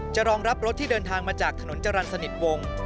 รองรับรถที่เดินทางมาจากถนนจรรย์สนิทวง